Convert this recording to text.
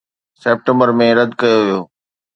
September ۾ رد ڪيو ويو